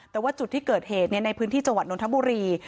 แต่ว่าจุดที่เกิดเหตุในพื้นที่จังหวัดนทบุรี